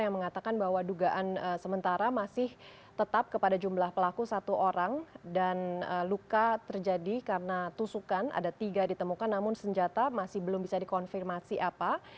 yang mengatakan bahwa dugaan sementara masih tetap kepada jumlah pelaku satu orang dan luka terjadi karena tusukan ada tiga ditemukan namun senjata masih belum bisa dikonfirmasi apa